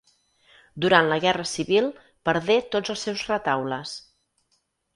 Durant la guerra civil perdé tots els seus retaules.